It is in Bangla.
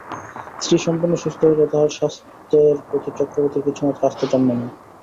স্ত্রী সম্পূর্ণ সুস্থ হইলেও তাঁহার স্বাসেথ্যর প্রতি চক্রবর্তীর কিছুমাত্র আস্থা জন্মে নাই।